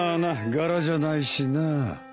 柄じゃないしなあ。